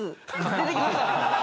出てきましたね。